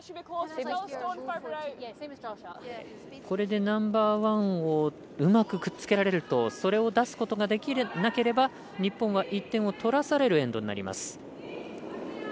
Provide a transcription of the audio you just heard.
これでナンバーワンをうまく、くっつけられるとそれを出すことができなければ日本は１点を取らされるエンドになります。